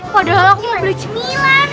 padahal aku beli cemilan